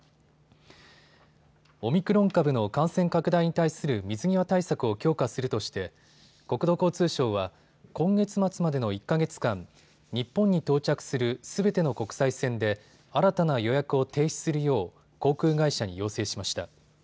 オミクロン株の感染拡大に対する水際対策を強化するとして国土交通省は今月末までの１か月間、日本に到着するすべての国際線で新たな予約を停止するよう航空会社に要請しました。